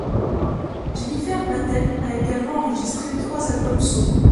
Jennifer Batten a également enregistré trois albums solo.